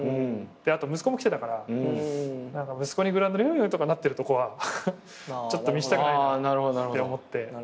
あと息子も来てたから息子にグラウンドで「うう」とかなってるとこはちょっと見せたくないって思って。